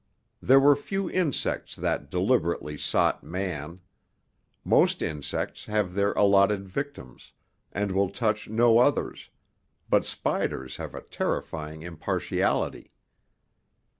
There were few insects that deliberately sought man. Most insects have their allotted victims, and will touch no others, but spiders have a terrifying impartiality.